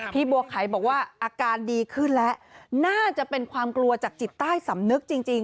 บัวไข่บอกว่าอาการดีขึ้นแล้วน่าจะเป็นความกลัวจากจิตใต้สำนึกจริง